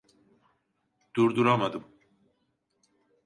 Durduramadım.